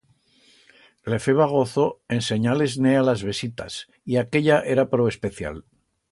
Le feba gozo ensenyar-les-ne a las vesitas, y aquella era prou especial.